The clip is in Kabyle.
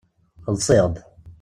Ḍṣiɣd.